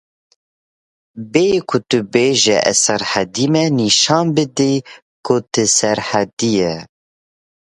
Bêyî ku bêjî ez Serhedî me nîşan bidî ku tu Serhedî yî